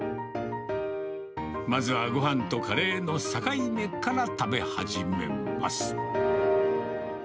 まずはごはんとカレーの境目から食べ始めます。